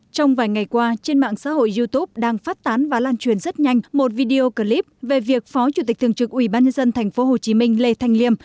trong vài ngày qua trên mạng xã hội youtube đang phát tán và lan truyền rất nhanh một video clip về việc phó chủ tịch thường trực ubnd tp hcm lê thanh liêm